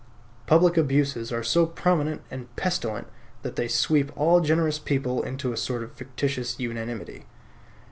Public abuses are so prominent and pestilent that they sweep all generous people into a sort of fictitious unanimity.